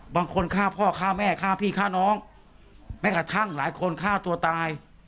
บางคนฆ่าพ่อฆ่าแม่ฆ่าพี่ฆ่าน้องแม้กระทั่งหลายคนฆ่าตัวตาย